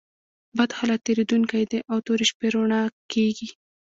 بد حالت تېرېدونکى دئ او توري شپې رؤڼا کېږي.